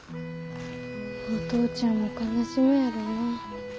お父ちゃんも悲しむやろなあ。